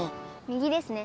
右ですね。